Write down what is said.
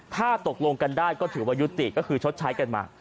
ถ้าตกลงกันได้ก็ถือว่ายุติก็คือชดใช้กันมา